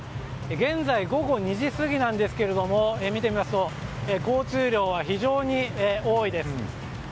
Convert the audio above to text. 現在、午後２時過ぎなんですが見てみますと交通量は非常に多いです。